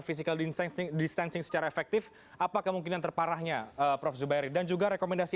physical distancing secara efektif apa kemungkinan terparahnya prof zubairi dan juga rekomendasi